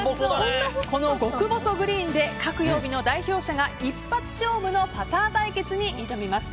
この極細グリーンで各曜日の代表者が一発勝負のパター対決に挑みます。